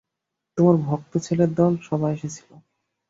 তোমার ভক্ত ছেলের দল সবাই এসেছিল।